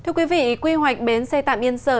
thưa quý vị quy hoạch bến xe tạm yên sở